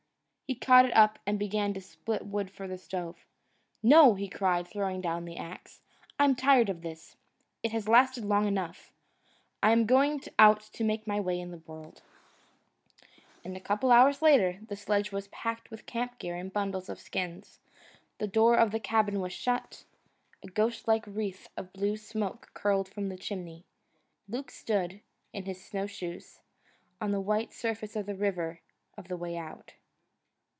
He caught it up and began to split wood for the stove. "No!" he cried, throwing down the axe, "I'm tired of this. It has lasted long enough. I'm going out to make my way in the world." A couple of hours later, the sledge was packed with camp gear and bundles of skins. The door of the cabin was shut; a ghostlike wreath of blue smoke curled from the chimney. Luke stood, in his snowshoes, on the white surface of the River of the Way Out.